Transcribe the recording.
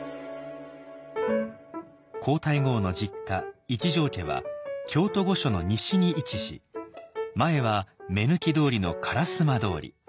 皇太后の実家一条家は京都御所の西に位置し前は目抜き通りの烏丸通り。